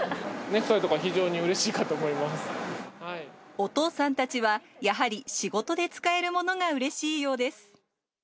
ネクタイとか非常にうれしいお父さんたちは、やはり仕事で使えるものがうれしいようです。